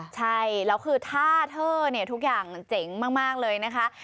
ใช่แล้วคือท่าเทอร์เนี่ยทุกอย่างเจ๋งมากเลยนะคะ